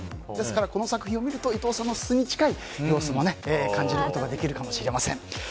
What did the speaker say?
この作品を見ると伊藤さんの素に近い部分を感じることができるかもしれません。